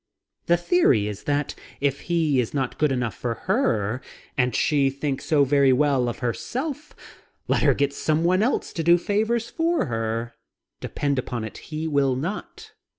The theory is that if he is not good enough for her, and she things so very well of herself, let her get someone else to do favors for her. Depend upon it, he will not.